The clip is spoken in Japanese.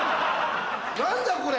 何だこれ？